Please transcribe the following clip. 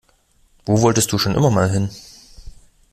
Wo wolltest du schon immer mal hin?